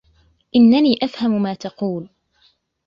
إنني أفهم ما تقول